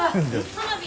花火？